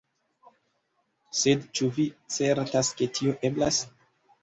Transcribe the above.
Sed ĉu vi certas ke tio eblas?